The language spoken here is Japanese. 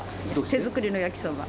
手作りの焼きそば。